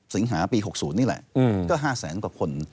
สิงหาปี๖๐นี่แหละก็๕แสนกว่าคน